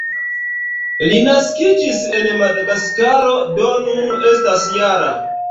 Li naskiĝis en Madagaskaro, do nun estas -jara.